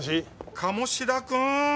鴨志田君！